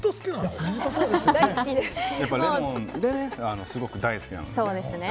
すごく大好きなんですよね。